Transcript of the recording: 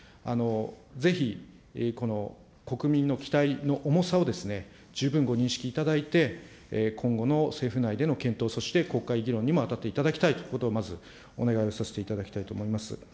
ぜひこの国民の期待の重さを十分ご認識いただいて、今後の政府内での検討、そして国会議論にも当たっていただきたいということをまず、お願いをさせていただきたいと思います。